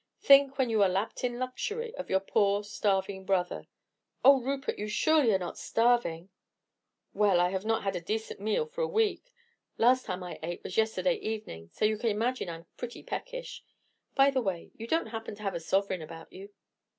Think, when you are lapped in luxury, of your poor, starving brother." "Oh, Rupert, you surely are not starving?" "Well, I have not had a decent meal for a week. Last time I ate was yesterday evening, so you can imagine I'm pretty peckish. By the way, you don't happen to have a sovereign about you?"